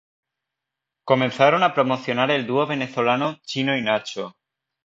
Comenzaron a promocionar el dúo venezolano Chino y Nacho.